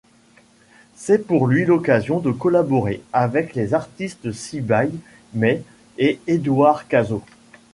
C’est pour lui l’occasion de collaborer avec les artistes Sibyle May et Edouard Cazaux.